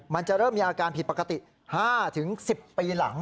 มันจะเริ่มมีอาการผิดปกติ๕๑๐ปีหลัง